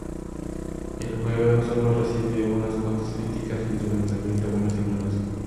El juego sólo recibido unas cuantas críticas en su lanzamiento, buenas y malas.